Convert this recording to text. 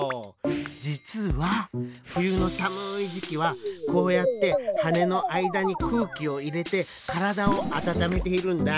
じつはふゆのさむいじきはこうやってはねのあいだにくうきをいれてからだをあたためているんだ。